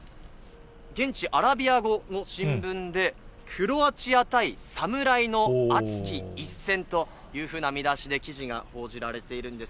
現地アラビア語の新聞で、クロアチア対侍の熱き一戦というふうな見出しで、記事が報じられているんです。